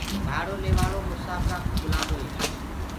ڀاڙو ليوآݪو مساڦرانٚ ڪو بلانٚدو هي